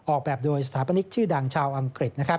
ออกแบบโดยสถาปนิกชื่อดังชาวอังกฤษ